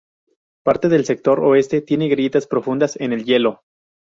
Parte del sector oeste tiene grietas profundas en el hielo.